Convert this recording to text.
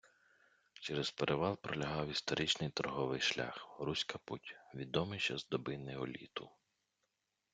Через перевал пролягав історичний торговий шлях — Руська Путь, відомий ще з доби неоліту.